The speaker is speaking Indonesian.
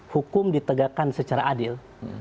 hukum ditegakkan secara adil